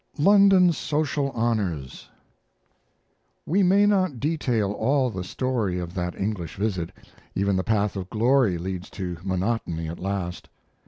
LONDON SOCIAL HONORS We may not detail all the story of that English visit; even the path of glory leads to monotony at last.